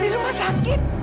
di rumah sakit